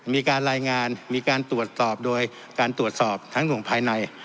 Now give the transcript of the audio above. มีการรายงานมีการตรวจสอบโดยการตรวจสอบทั้งภายใน